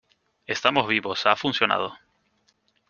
estamos vivos. ha funcionado .